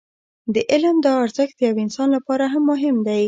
د علم دا ارزښت د يوه انسان لپاره هم مهم دی.